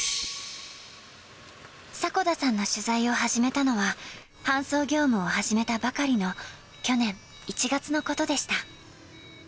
迫田さんの取材を始めたのは、搬送業務を始めたばかりの去年１月のことでした。